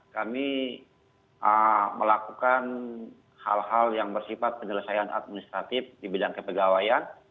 kami melakukan hal hal yang bersifat penyelesaian administratif di bidang kepegawaian